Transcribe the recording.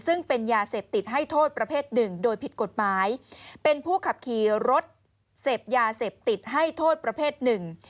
ซึ่งเป็นยาเสพติดให้โทษประเภทหนึ่งโดยผิดกฎหมายเป็นผู้ขับขี่รถเสพยาเสพติดให้โทษประเภทหนึ่ง